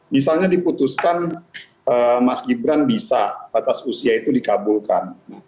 misalnya diputuskan mas gibran bisa batas usia itu dikabulkan